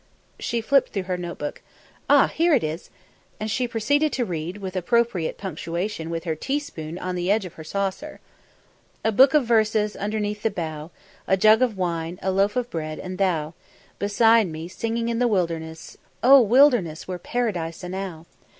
She flipped through her notebook. "Ah! here it is." And she proceeded to read, with appropriate punctuation with her tea spoon on the edge of her saucer: "A book of verses underneath the bough A jug of wine, a loaf of bread, and Thou Beside me, singing in the wilderness; O, wilderness were Paradise enow!"